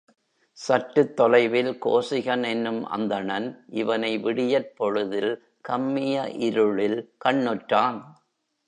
சற்றுத் தொலைவில் கோசிகன் என்னும் அந்தணன் இவனை விடியற்பொழுதில் கம்மிய இருளில் கண்ணுற்றான்.